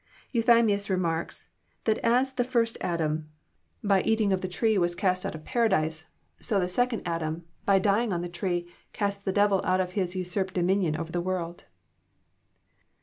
Euthymius remarks, that as the first Adam by eating of the JOHN, CHAP. XII 355 tree was cast out of Paradise, so the second Adam by dying on the tree cast the devil out of his usurped dominion in the world.